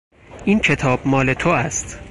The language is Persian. این کتاب مال تو است.